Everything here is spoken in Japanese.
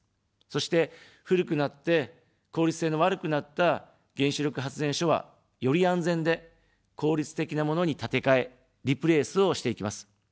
そして、古くなって効率性の悪くなった原子力発電所は、より安全で効率的なものに建て替え、リプレースをしていきます。